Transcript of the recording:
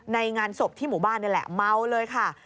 งานศพที่หมู่บ้านนี่แหละเมาเลยค่ะ